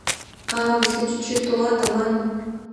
А-а, Васли чӱчӱ, толат аман?